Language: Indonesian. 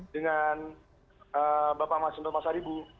dengan bapak mas md mas haribu